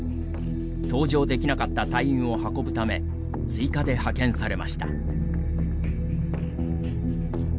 搭乗できなかった隊員を運ぶため追加で派遣されました。